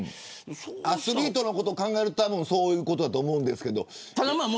アスリートのことを考えるとそういうことだと思うんですけど。